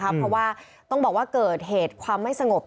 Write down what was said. เพราะว่าต้องบอกว่าเกิดเหตุความไม่สงบ